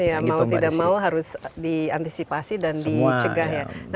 iya mau tidak mau harus diantisipasi dan dicegah ya